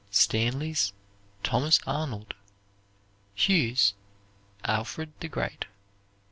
Stanley's, "Thomas Arnold." Hughes', "Alfred the Great."